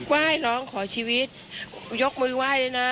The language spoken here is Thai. ว่ายร้องขอชีวิตยกมือไหว้เลยนะ